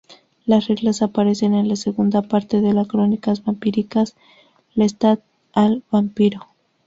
Las reglas aparecen en la segunda parte de las crónicas vampíricas, Lestat el vampiro.